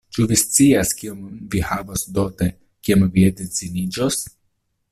Ĉu vi scias kiom vi havos dote, kiam vi edziniĝos?